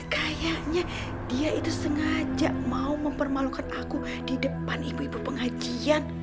kayaknya dia itu sengaja mau mempermalukan aku di depan ibu ibu pengajian